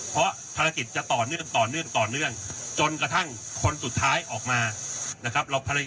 เพราะภารกิจจะต่อเนื่องจนกระทั่งคนสุดท้ายออกมานะครับ